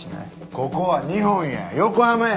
ここは日本や横浜や。